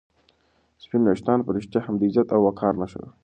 سپین ویښتان په رښتیا هم د عزت او وقار نښه ده.